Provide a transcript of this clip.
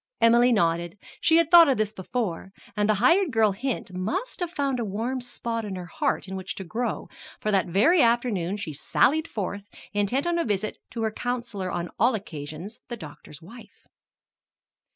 Emily nodded; she had thought of this before. And the hired girl hint must have found a warm spot in her heart in which to grow, for that very afternoon she sallied forth, intent on a visit to her counselor on all occasions the doctor's wife.